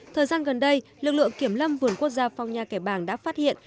thời gian gần đây lực lượng kiểm lâm vườn quốc gia phong nha kẻ bàng đã phát hiện